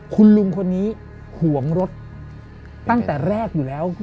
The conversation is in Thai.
คุณลุงคนนี้ห่วงรถตั้งแต่แรกอยู่แล้ว